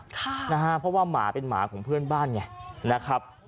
เพราะว่าหมาเป็นหมาของเพื่อนบ้านไงนะครับ